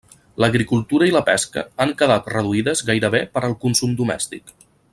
L'agricultura i la pesca han quedat reduïdes gairebé per al consum domèstic.